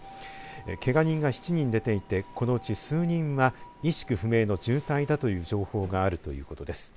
けが人が７人出ていてこのうち数人は意識不明の重体だという情報があるということです。